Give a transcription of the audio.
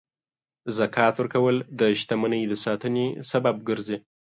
زکات ورکول د شتمنۍ د ساتنې سبب ګرځي.